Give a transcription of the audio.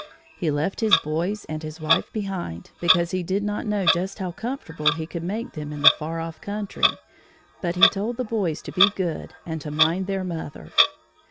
He left his boys and his wife behind, because he did not know just how comfortable he could make them in the far off country, but he told the boys to be good and to mind their mother.